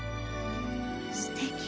すてき。